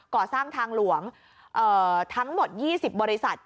ก่อสร้างทางหลวงทั้งหมด๒๐บริษัท